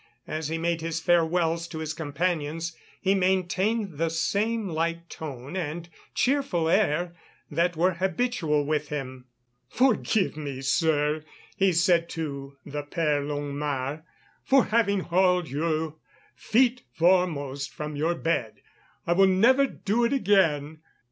As he made his farewells to his companions, he maintained the same light tone and cheerful air that were habitual with him. "Forgive me, sir," he said to the Père Longuemare, "for having hauled you feet foremost from your bed. I will never do it again."